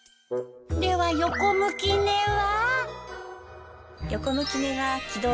では横向き寝は？